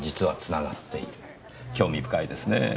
興味深いですねぇ。